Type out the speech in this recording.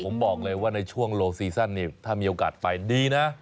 ผมบอกเลยว่าในช่วงโลซีซั่นนี่ถ้ามีโอกาสไปดีนะ